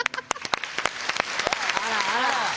あらあら。